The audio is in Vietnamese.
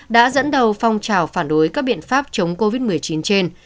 đã dẫn đầu phong trào phản đối các biện pháp chống covid một mươi chín trên